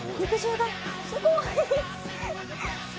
すごい！